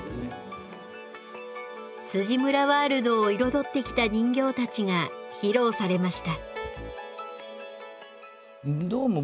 ワールドを彩ってきた人形たちが披露されました。